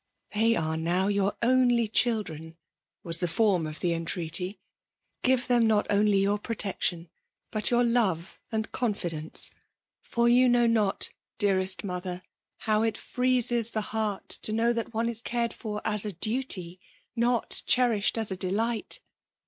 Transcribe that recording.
" They are now your only children," was the form of the entreaty. '' Grive them not only your protection, but your love and confi* dence ; for you know not, dearest mother, how it freezes the heart to know that one is cared for as a duty, not cherished as a delight.